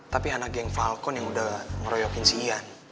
tapi anak geng falcon yang udah ngeroyokin si ian